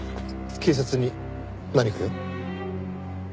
警察に何か用？